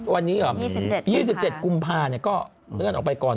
วันนี้หรอ๒๗กุมภาคม๒๗กุมภาคมเนี่ยก็เลื่อนออกไปก่อน